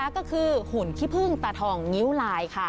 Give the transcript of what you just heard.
ก็คือหุ่นขี้พึ่งตาทองงิ้วลายค่ะ